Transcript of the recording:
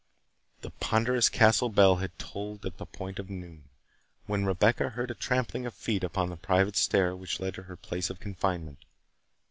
The ponderous castle bell had tolled the point of noon, when Rebecca heard a trampling of feet upon the private stair which led to her place of confinement.